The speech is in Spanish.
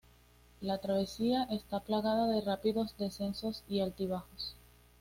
La travesía está plagada de rápidos descensos y altibajos.